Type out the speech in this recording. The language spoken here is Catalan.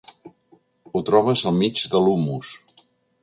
Ho trobes al mig de l'humus.